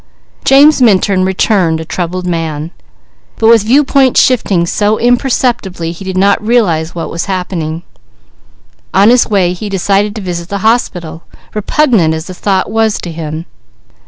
James Minturn returned a troubled man, but with viewpoint shifting so imperceptibly he did not realize what was happening. On his way he decided to visit the hospital, repugnant as the thought was to him.